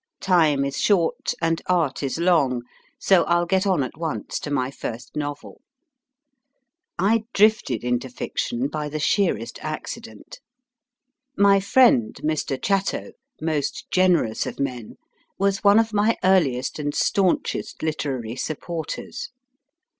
Time is short, and art is long, so I ll get on at once to my first novel. I drifted into fiction by the sheerest accident. My friend, Mr. Chatto, most generous of men, was one of my earliest and staunchest literary sup porters.